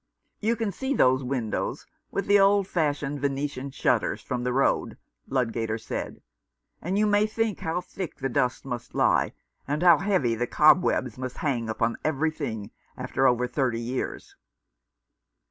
"You can see those windows, with the old 238 Mr. Pawnee's Report continued. fashioned Venetian shutters, from the road," Lud gater said ;" and you may think how thick the dust must lie and how heavy the cobwebs must hang upon everything after over thirty years."